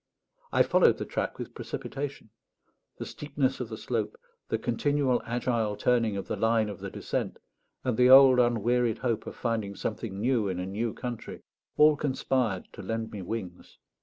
I followed the track with precipitation; the steepness of the slope, the continual agile turning of the line of the descent, and the old unwearied hope of finding something new in a new country, all conspired to lend me wings.